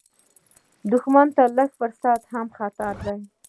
دښمن ته لږ فرصت هم خطر لري